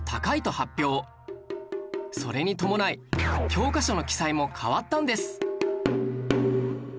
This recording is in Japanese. それに伴い教科書の記載も変わったんです